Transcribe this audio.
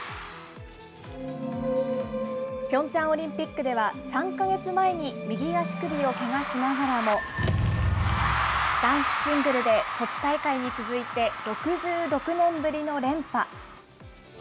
ピョンチャンオリンピックでは３か月前に右足首をけがしながらも、男子シングルでソチ大会に続いて、６６年ぶりの連覇。